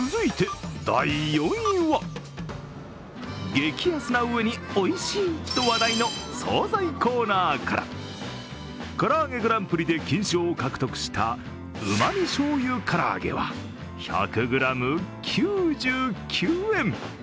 激安なうえにおいしいと話題の総菜コーナーから、からあげグランプリで金賞を獲得したうまみ醤油からあげは１００ｇ９９円。